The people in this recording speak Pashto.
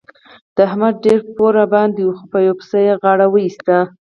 د احمد ډېر پور راباندې وو خو په یوه پسه يې غاړه وېسته.